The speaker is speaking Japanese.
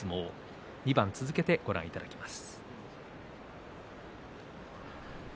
２番続けてご覧いただきます。